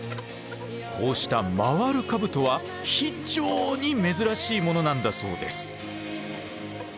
こうした回る兜は非常に珍しいものなんだそうです。